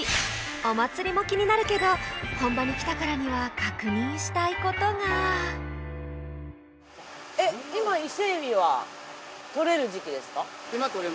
お祭りも気になるけど本場に来たからには確認したいことが捕れる時期ですか？